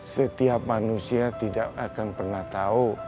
setiap manusia tidak akan pernah tahu